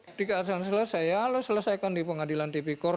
ketika harus selesai ya lo selesaikan di pengadilan tipikor